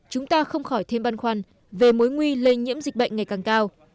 chúng ta không khỏi thêm băn khoăn về mối nguy lây nhiễm dịch bệnh ngày càng cao